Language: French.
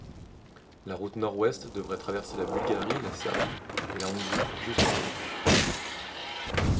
La route nord-ouest devrait traverser la Bulgarie, la Serbie et la Hongrie jusqu'en Autriche.